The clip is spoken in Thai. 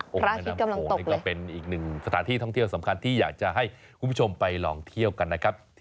พระอาทิตย์กำลังตกเลยโอ้โหนี่ก็เป็นอีกหนึ่งสถานที่ท่องเที่ยวสำคัญที่อยากจะให้คุณผู้ชมไปลองเที่ยวกันนะครับ